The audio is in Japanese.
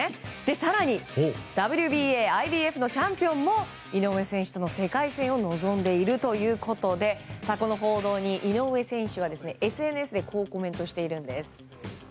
更にＷＢＡ、ＩＢＦのチャンピオンも井上選手との世界戦を望んでいるということでこの報道に井上選手がＳＮＳでこうコメントしているんです。